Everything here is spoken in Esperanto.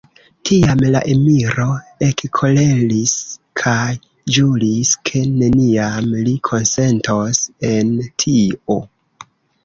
Tiam la emiro ekkoleris kaj ĵuris, ke neniam li konsentos en tio.